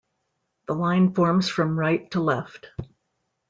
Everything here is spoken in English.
The line forms from right to left.